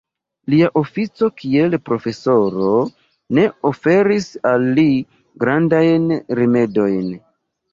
Lia ofico kiel profesoro ne oferis al li grandajn rimedojn.